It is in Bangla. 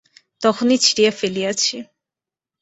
তখনই ছিঁড়িয়া ফেলিয়াছি।